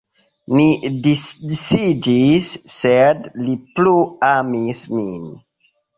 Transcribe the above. Ni disiĝis, sed li plu amis min.